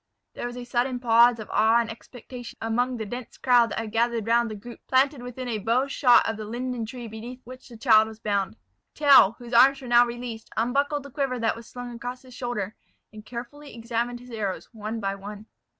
There was a sudden pause of awe and expectation among the dense crowd that had gathered round the group planted within a bow shot of the linden tree beneath which the child was bound. Tell, whose arms were now released, unbuckled the quiver that was slung across his shoulder, and carefully examined his arrows, one by one.